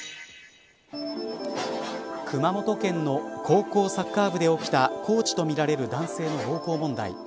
熊本県の高校サッカー部で起きたコーチとみられる男性の暴行問題。